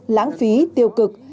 láng phí tiêu cực